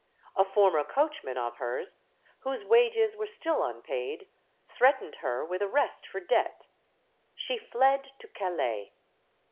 A former coachman of hers, whose wages were still un paid, threatened her with arrest for debt. She fled to Calais.